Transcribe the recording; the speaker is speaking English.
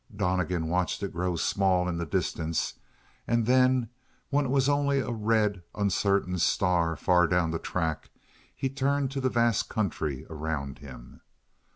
Donnegan watched it grow small in the distance, and then, when it was only a red, uncertain star far down the track, he turned to the vast country around him.